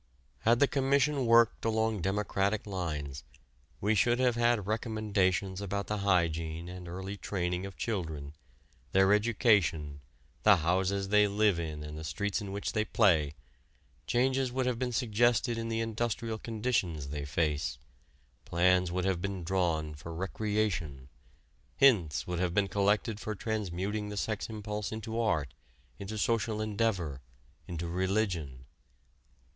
Had the Commission worked along democratic lines, we should have had recommendations about the hygiene and early training of children, their education, the houses they live in and the streets in which they play; changes would have been suggested in the industrial conditions they face; plans would have been drawn for recreation; hints would have been collected for transmuting the sex impulse into art, into social endeavor, into religion.